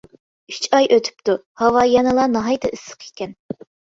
ئۈچ ئاي ئۆتۈپتۇ، ھاۋا يەنىلا ناھايىتى ئىسسىق ئىكەن.